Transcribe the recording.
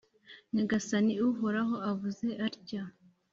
Nyagasani Uhoraho avuze atya :